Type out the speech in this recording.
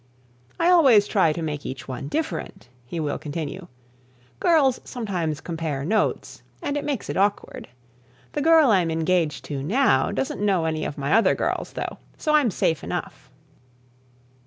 "I always try to make each one different," he will continue. "Girls sometimes compare notes and it makes it awkward. The girl I'm engaged to now doesn't know any of my other girls, though, so I'm safe enough.